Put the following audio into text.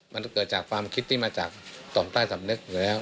มันเกิดจากความคิดที่มาจากกล่องใต้สำนึกอยู่แล้ว